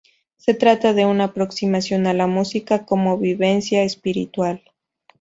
Se trata de una aproximación a la música como vivencia espiritual.